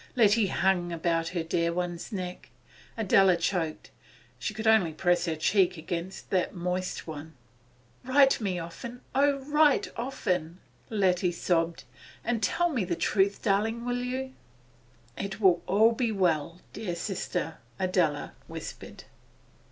Letty hung about her dear one's neck. Adela choked; she could only press her cheek against that moist one. 'Write to me often oh, write often,' Letty sobbed. 'And tell me the truth, darling, will you?' 'It will be all well, dear sister,' Adela whispered.